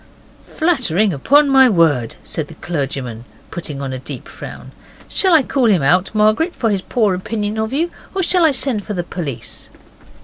'Flattering, upon my word,' said the clergyman, putting on a deep frown. 'Shall I call him out, Margaret, for his poor opinion of you, or shall I send for the police?